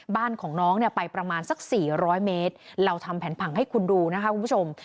บ้านของน้องเนี่ยไปประมาณสัก๔๐๐เมตรเราทำแผนผังให้คุณดูนะคะคุณผู้ชม